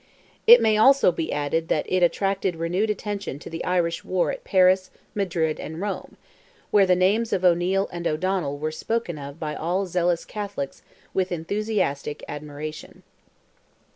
It may also be added that it attracted renewed attention to the Irish war at Paris, Madrid, and Rome, where the names of O'Neil and O'Donnell were spoken of by all zealous Catholics with enthusiastic admiration.